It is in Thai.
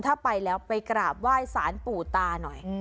ถ้าไปแล้วไปกราบไหว้สารปู่ตาหน่อย